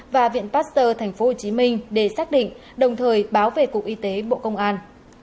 và viện pasteur tp hcm để xác định đồng thời báo về cục y tế bộ công an